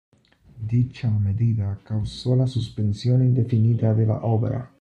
Dicha medida causó la suspensión indefinida de la obra.